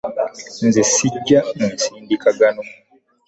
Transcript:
Nze ssijja mu nsindikagano.